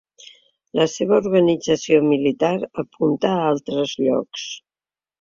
La seva organització militar apunta a altres llocs.